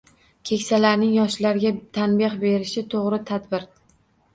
Keksalarning yoshlarga tanbeh berishi to’g’ri tadbir.